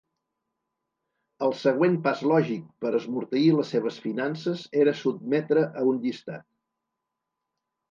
El següent pas lògic per esmorteir les seves finances era sotmetre a un llistat.